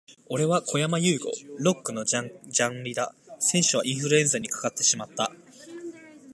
俺はこやまゆうご。Lock のジャンリだ。先週はインフルエンザにかかってしまった、、、